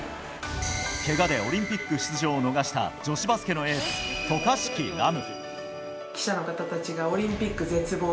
けがでオリンピック出場を逃した女子バスケのエース、渡嘉敷来夢。